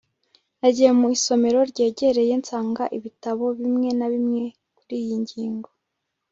nagiye mu isomero ryegereye nsanga ibitabo bimwe na bimwe kuriyi ngingo